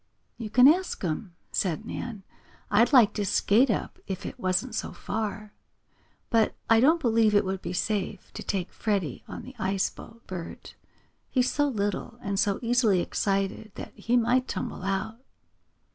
"You can ask him," said Nan. "I'd like to skate up, if it wasn't so far. But I don't believe it would be safe to take Freddie on the ice boat, Bert. He's so little, and so easily excited that he might tumble out."